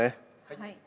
はい。